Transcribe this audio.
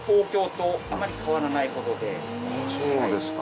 そうですか。